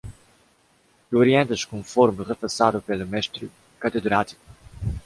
Tu orientas conforme repassado pelo mestre catedrático?